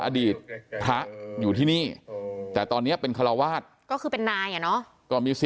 อดีตที่นี่แต่ตอนนี้เป็นคลาวาตก็คือเป็นนายเนาะก็มี